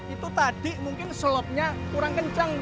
itu tadi mungkin slotnya kurang kencang